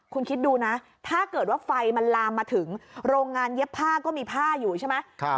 คุณคิดดูนะถ้าเกิดว่าไฟมันลามมาถึงโรงงานเย็บผ้าก็มีผ้าอยู่ใช่ไหม